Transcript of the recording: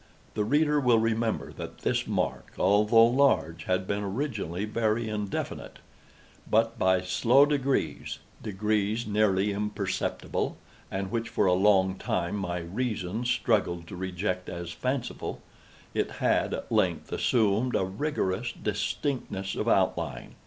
The reader will remember that this mark, although large, had been originally very indefinite; but, by slow degrees—degrees nearly imperceptible, and which for a long time my reason struggled to reject as fanciful—it had, at length, assumed a rigorous distinctness of outline.